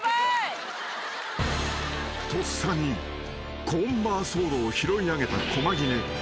［とっさにコーンバーソードを拾い上げた駒木根］